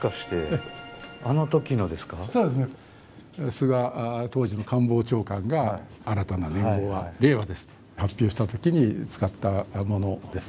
菅当時の官房長官が「新たな元号は令和です」と発表した時に使ったものです。